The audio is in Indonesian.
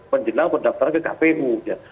menjelang pendaftaran ke kpu